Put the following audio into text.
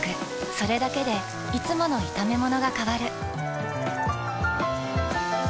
それだけでいつもの炒めものが変わる。